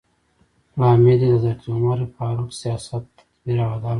لامل یې د حضرت عمر فاروق سیاست، تدبیر او عدالت و.